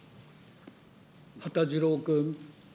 羽田次郎君。